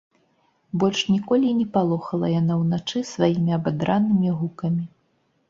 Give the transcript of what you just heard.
Больш ніколі не палохала яна ўначы сваімі абадранымі гукамі.